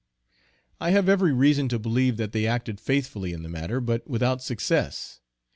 I have every reason to believe that they acted faithfully in the matter, but without success.